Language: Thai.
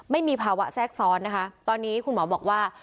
ไม่มีภาวะแทรกซ้อนนะคะตอนนี้คุณหมอบอกว่า